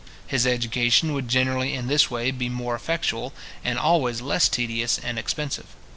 His education would generally in this way be more effectual, and always less tedious and expensive.